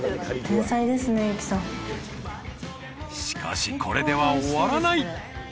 ［しかしこれでは終わらない］